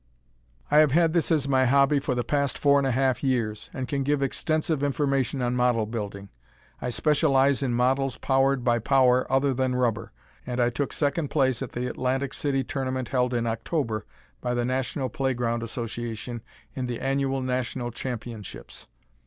I have had this as my hobby for the past four and a half years, and can give extensive information on model building. I specialize in models powered by power other than rubber; and I took second place at the Atlantic City Tournament held in October by the National Play ground Association, in the Annual National Championships.